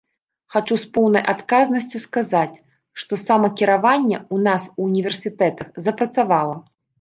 Хачу з поўнай адказнасцю сказаць, што самакіраванне ў нас у універсітэтах запрацавала.